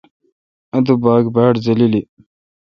اتو باگ باڑزللی۔